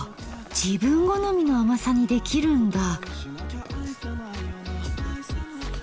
自分好みの甘さにできるんだ。